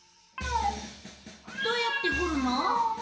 どうやって掘るの？